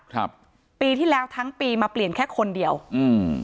ครับปีที่แล้วทั้งปีมาเปลี่ยนแค่คนเดียวอืม